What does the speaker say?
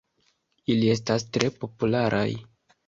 Ili estas tre popularaj.